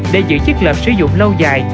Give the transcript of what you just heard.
để giữ chiếc lợp sử dụng lâu dài